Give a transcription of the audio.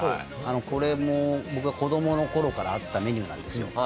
これも僕が子供の頃からあったメニューなんですよ。